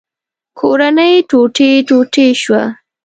کورنۍ ټوټې ټوټې شوه.